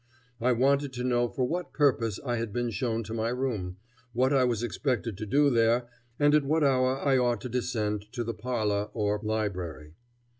I wanted to know for what purpose I had been shown to my room, what I was expected to do there, and at what hour I ought to descend to the parlor or library.